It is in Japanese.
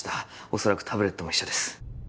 恐らくタブレットも一緒です